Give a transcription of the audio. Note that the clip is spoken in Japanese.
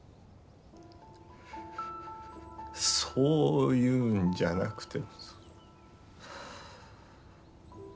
そういうんじゃなくて。